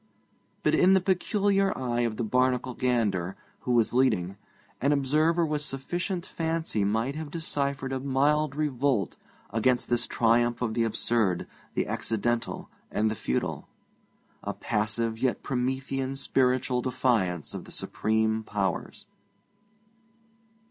But in the peculiar eye of the Barnacle gander, who was leading, an observer with sufficient fancy might have deciphered a mild revolt against this triumph of the absurd, the accidental, and the futile; a passive yet Promethean spiritual defiance of the supreme powers.